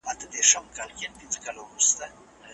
ډاکټر اوږده پاڼه په بشپړ ډول ړنګوي.